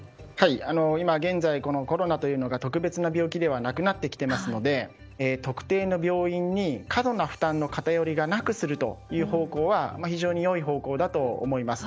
今現在コロナというのが特別な病気ではなくなっていますので特定の病院に過度な負担の偏りがなくするという方向は非常に良い方向だと思います。